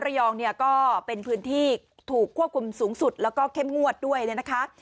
ระยองเนี่ยก็เป็นพื้นที่ถูกควบคุมสูงสุดแล้วก็เข้มงวดด้วยเนี่ยนะคะ